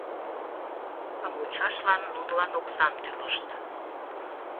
А мучашлан нунылан оксам тӱлышт.